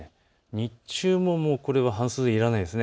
日中も半袖はいらないです。